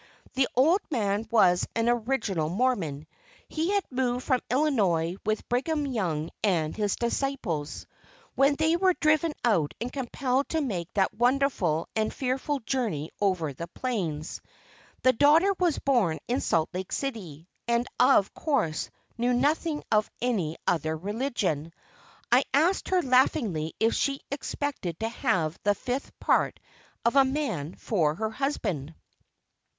The old man was an original Mormon. He had moved from Illinois with Brigham Young and his disciples, when they were driven out and compelled to make that wonderful and fearful journey over the plains. The daughter was born in Salt Lake City, and of course knew nothing of any other religion. I asked her laughingly if she expected to have the fifth part of a man for her husband?